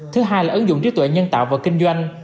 thứ hai là ứng dụng trí tuệ nhân tạo và kinh doanh